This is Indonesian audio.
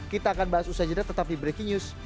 kita akan bahas usaha jeda tetapi breaking news